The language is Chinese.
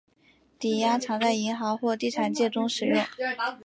抵押常在银行或地产界中使用。